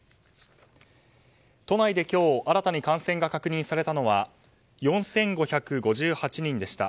都内で今日新たに感染が確認されたのは４５５８人でした。